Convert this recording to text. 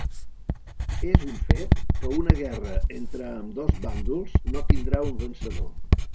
És un fet que una guerra entre ambdós bàndols no tindrà un vencedor.